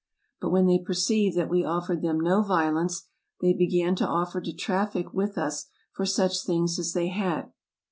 But when they perceived that we offered them no violence they began to offer to traffic with us for such things as they had.